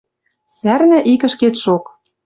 Сӓрнӓ ик ӹшкетшок.